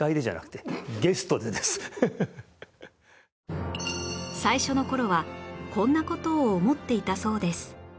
ただそれは最初の頃はこんな事を思っていたそうです